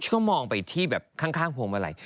ซักครู่ก็มองไปที่แบบข้างพวงเมลัย